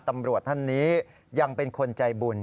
ตำรวจท่านนี้ยังเป็นคนใจบุญ